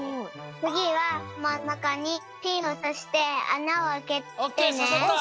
つぎはまんなかにピンをさしてあなをあけてね。